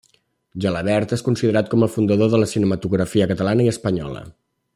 Gelabert és considerat com el fundador de la cinematografia catalana i espanyola.